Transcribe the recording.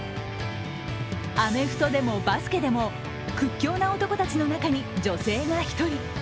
アメフトでもバスケでも屈強な男たちの中に女性が１人。